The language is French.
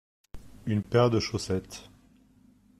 Une paire de chaussettes.